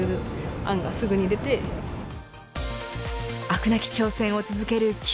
飽くなき挑戦を続けるＣＵＥ。